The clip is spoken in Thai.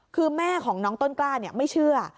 คือแม่ของน้องต้นกล้าไม่เชื่อ